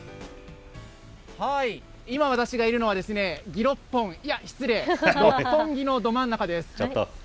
今、私がいるのはですね、ギロッポン、いや、失礼、六本木のど真ん中です。